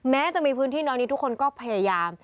แม้จะมีพื้นที่ทุกคนก็พยายาม